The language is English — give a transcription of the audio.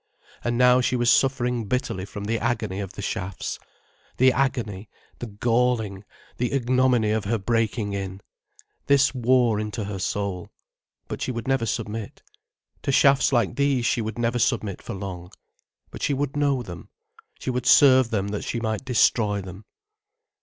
And now she was suffering bitterly from the agony of the shafts. The agony, the galling, the ignominy of her breaking in. This wore into her soul. But she would never submit. To shafts like these she would never submit for long. But she would know them. She would serve them that she might destroy them.